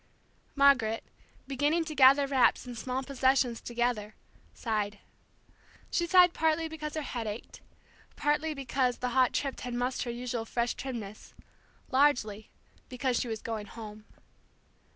Margaret, beginning to gather wraps and small possessions together, sighed. She sighed partly because her head ached, partly because the hot trip had mussed her usual fresh trimness, largely because she was going home.